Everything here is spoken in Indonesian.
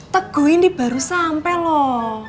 teguh ini baru sampai loh